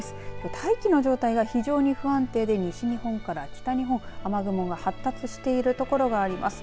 大気の状態が非常に不安定で西日本から北日本、雨雲が発達している所があります。